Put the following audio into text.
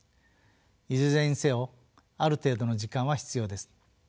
いずれにせよある程度の時間は必要です。